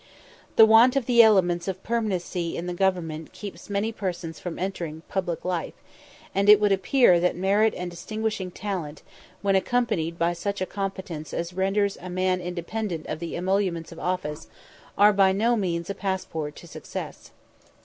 The want of the elements of permanency in the Government keeps many persons from entering into public life; and it would appear that merit and distinguished talent, when accompanied by such a competence as renders a man independent of the emoluments of office, are by no means a passport to success.